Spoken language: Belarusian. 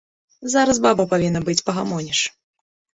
Зараз баба павінна быць, пагамоніш.